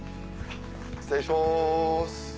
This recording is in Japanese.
失礼します。